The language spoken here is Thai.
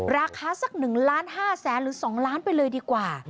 ราคาสัก๑ล้าน๕แสนหรือ๒ล้านไปเลยดีกว่า